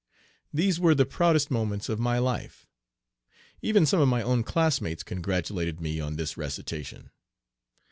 These were the proudest moments of my life. Even some of my own classmates congratulated me on this recitation.